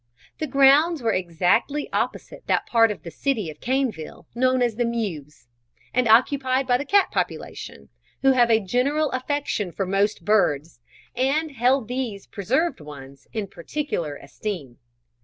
The grounds were exactly opposite that part of the city of Caneville known as the "Mews," and occupied by the cat population, who have a general affection for most birds, and held these preserved ones in particular esteem.